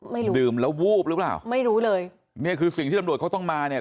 ดื่มแล้ววูบหรือเปล่าไม่รู้เลยเนี่ยคือสิ่งที่ตำรวจเขาต้องมาเนี่ย